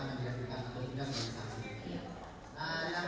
yang diambilkan atau tidak sebagai saksi